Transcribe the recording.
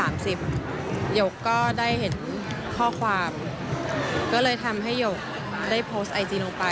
มันหมดความอดทนแล้วจริงค่ะ